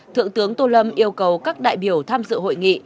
thượng tướng tô lâm yêu cầu các đại biểu tham dự hội nghị